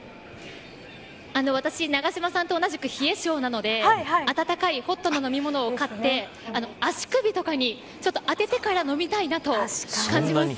私、永島さんと同じく冷え性なので温かいホットの飲み物を買って足首とかに、ちょっと当ててから飲みたいなと感じます。